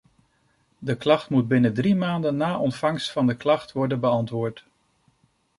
De klacht moet binnen drie maanden na ontvangst van de klacht worden beantwoord.